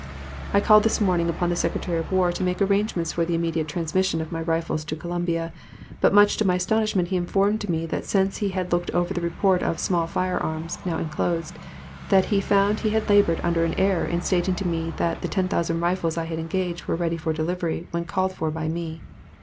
I called this morning upon the Secretary of War to make arrangements for the immediate transmission of the rifles to Columbia, but much to my astonishment he informed me that since he had looked over the report of "Small Fire arms" (now inclosed) that he found he had labored under an error in stating to me that the ten thousand rifles I had engaged were ready for delivery when called for by me.